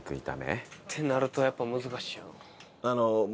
ってなるとやっぱり難しいな。